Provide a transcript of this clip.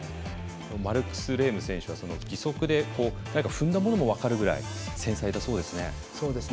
マルクス・レーム選手も義足で踏んだものも分かるくらい繊細だそうですね。